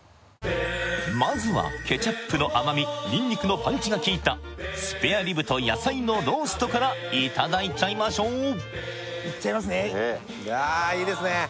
まずはケチャップの甘みニンニクのパンチがきいたスペアリブと野菜のローストからいただいちゃいましょういっちゃいますねあーいいですね